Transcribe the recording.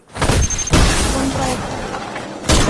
Онталһын!